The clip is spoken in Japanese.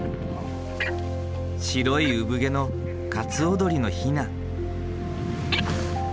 白い産毛のカツオドリのヒナ。